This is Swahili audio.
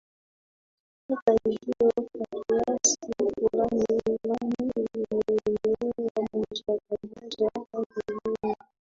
Hata hivyo kwa kiasi fulani imani imeendelea moja kwa moja hadi leo